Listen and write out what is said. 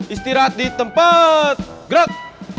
istirahat di tempat gerak